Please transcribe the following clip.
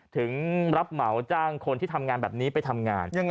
ถึงรับเหมาจ้างคนที่ทำงานแบบนี้ไปทำงาน